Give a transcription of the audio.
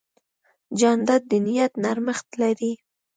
جانداد د نیت نرمښت لري.